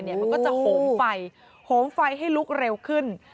มันก็จะโหมไฟโหมไฟให้ลุกเร็วขึ้น